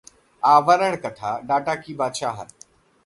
आवरण कथाः डाटा की बादशाहत